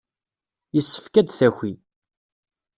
Yessefk ad d-taki.